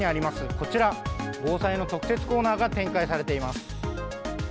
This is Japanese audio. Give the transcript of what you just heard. こちら、防災の特設コーナーが展開されています。